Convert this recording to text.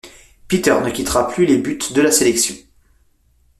Peter ne quittera plus les buts de la sélection.